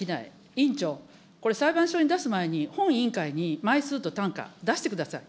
委員長、これ裁判所に出す前に、本委員会に枚数と単価、出してください。